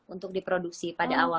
untuk diproduksi pada awal